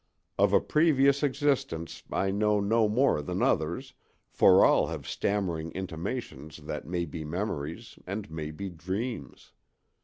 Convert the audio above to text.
Of a previous existence I know no more than others, for all have stammering intimations that may be memories and may be dreams.